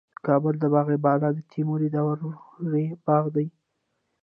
د کابل د باغ بالا د تیموري دورې باغ دی